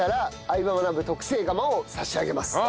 相葉マナブ』特製釜を差し上げます。